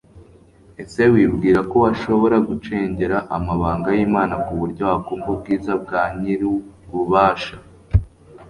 ese wibwira ko washobora gucengera amabanga y'imana, ku buryo wakumva ubwiza bwa nyir'ububasha